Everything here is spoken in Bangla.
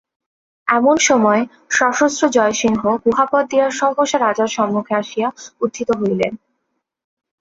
এমন সময় সশস্ত্র জয়সিংহ গুহাপথ দিয়া সহসা রাজার সম্মুখে আসিয়া উত্থিত হইলেন।